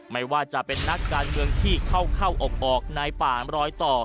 ไม่ว่าจะเป็นนักการเมืองที่เข้าอกออกในป่ามรอยต่อ